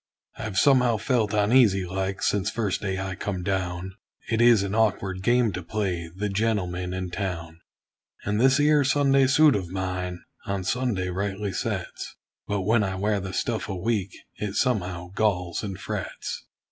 I've somehow felt uneasy like, since first day I come down; It is an awkward game to play the gentleman in town; And this 'ere Sunday suit of mine on Sunday rightly sets; But when I wear the stuff a week, it somehow galls and frets.